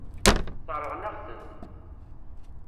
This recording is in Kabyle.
Sseṛɣen-aɣ-tent.